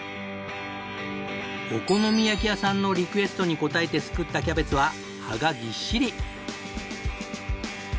お好み焼き屋さんのリクエストに応えて作ったキャベツは葉がぎっしり！